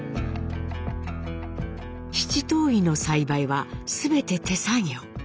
七島藺の栽培はすべて手作業。